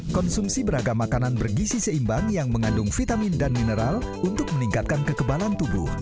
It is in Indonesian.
konsumsi beragam makanan bergisi seimbang yang mengandung vitamin dan mineral untuk meningkatkan kekebalan tubuh